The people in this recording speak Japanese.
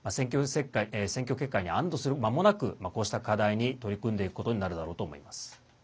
選挙結果に安どするまもなくこうした課題に取り組んでいくことになるだろうと思います。